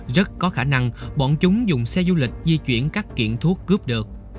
rất có khả năng bọn chúng dùng xe du lịch di chuyển các kiện thuốc cướp được